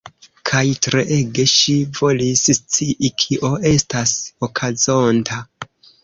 Kaj treege ŝi volis scii kio estas okazonta.